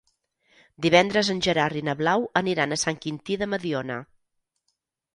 Divendres en Gerard i na Blau aniran a Sant Quintí de Mediona.